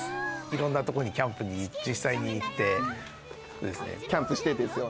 色んなとこにキャンプに実際に行ってキャンプしてんですよね